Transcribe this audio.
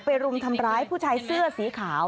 รุมทำร้ายผู้ชายเสื้อสีขาว